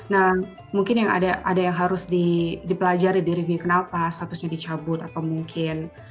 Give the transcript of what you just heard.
nah mungkin yang ada yang harus dipelajari di review kenapa statusnya dicabut atau mungkin